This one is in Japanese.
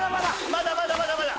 まだまだまだまだ！